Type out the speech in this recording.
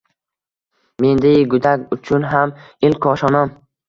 Mendai gudak uchun xam ilk koshonam